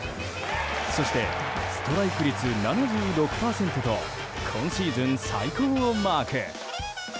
そして、ストライク率７６％と今シーズン最高をマーク。